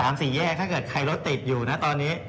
สี่แยกถ้าเกิดใครรถติดอยู่นะตอนนี้